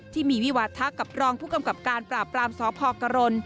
ที่มีวิวาทะกับรองผู้กำกับการปราบปรามสพกรณ